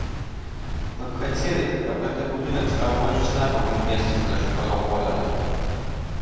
Мы б хацелі, каб гэты будынак стаў больш знакавым месцам для жыхароў горада.